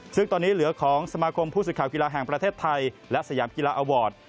ซึ่งตอนนี้เหลือของสมาคมผู้สื่อข่าวกีฬาแห่งประเทศไทยและสยามกีฬาอาวอร์ด